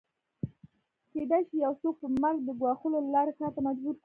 کېدای شي یو څوک په مرګ د ګواښلو له لارې کار ته مجبور کړو